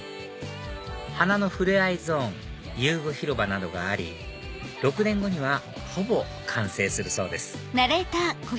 花のふれあいゾーン遊具広場などがあり６年後にはほぼ完成するそうです